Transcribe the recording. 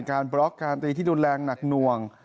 การบล็อกการตีที่ดูดแรงหนักนวง